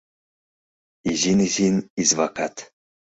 Изин-изин извакат